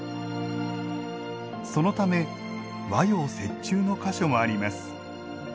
そのため和洋折衷の箇所もあります。